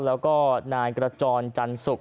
แล้วก็นางกระจ่อนจรสุกก๋